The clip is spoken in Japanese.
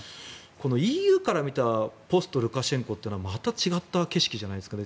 ＥＵから見たポスト・ルカシェンコというのはまた違った景色じゃないですかね。